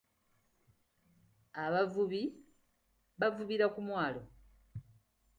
Abavubi bavubira ku mwalo.